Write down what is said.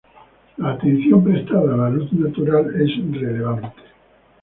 La atención prestada a la luz natural es relevante.